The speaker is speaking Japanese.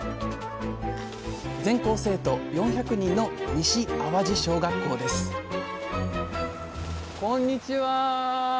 全校生徒４００人の西淡路小学校ですこんにちは。